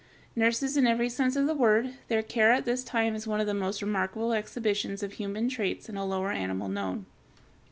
Nurses in every sense of the word, their care at this time is one of the most remarkable exhibitions of human traits in a lower animal known.